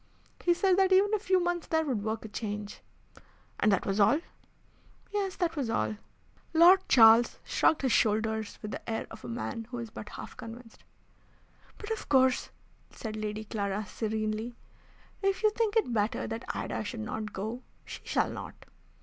He said that even a few months there would work a change." "And that was all?" "Yes, that was all." Lord Charles shrugged his shoulders with the air of a man who is but half convinced. "But of course," said Lady Clara, serenely, "if you think it better that Ida should not go she shall not.